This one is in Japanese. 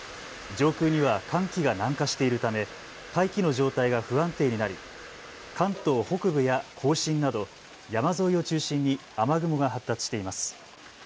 上空には寒気が南下しているため大気の状態が不安定になり関東北部や甲信など山沿いを中心に雨雲が発達しています。